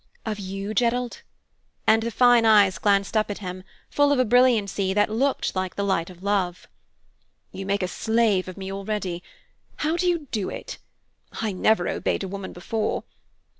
"Of you, Gerald?" And the fine eyes glanced up at him, full of a brilliancy that looked like the light of love. "You make a slave of me already. How do you do it? I never obeyed a woman before.